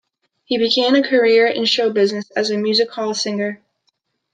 He began a career in show business as a music-hall singer.